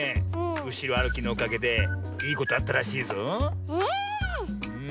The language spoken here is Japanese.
うしろあるきのおかげでいいことあったらしいぞ。